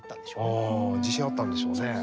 あ自信あったんでしょうね。